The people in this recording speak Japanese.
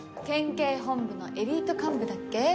県警本部のエリート幹部だっけ？